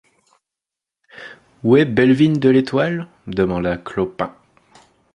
Où est Bellevigne de l’Étoile? demanda Clopin.